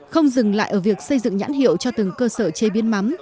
không dừng lại ở việc xây dựng nhãn hiệu cho từng cơ sở chế biến mắm